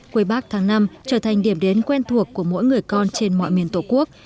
quầy bác tháng năm trở thành điểm đến quen thuộc của mỗi người con trên mọi miền tổ quốc